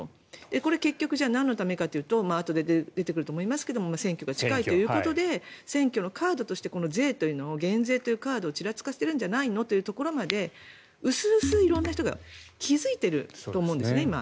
これ、結局なんのためかというとあとで出てくると思いますが選挙が近いということで選挙のカードとして税というのを減税というカードをちらつかせてるんじゃないの？というところまで薄々、色んな人が気付いていると思うんですね。